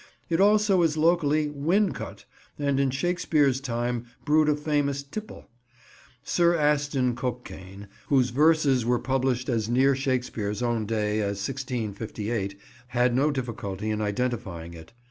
It also is locally "Wincot," and in Shakespeare's time brewed a famous tipple. Sir Aston Cokain, whose verses were published as near Shakespeare's own day as 1658, had no difficulty in identifying it.